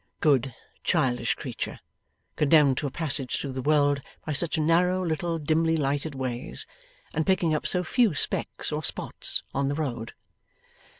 Good childish creature! Condemned to a passage through the world by such narrow little dimly lighted ways, and picking up so few specks or spots on the road!